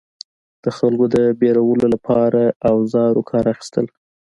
د خلکو د ویرولو لپاره اوزارو کار اخیستل.